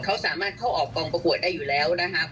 เขาสามารถเข้าออกกองประกวดได้อยู่แล้วนะครับ